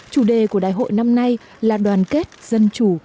chủ đề của đại hội năm nay là đoàn kết dân chủ